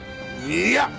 いや！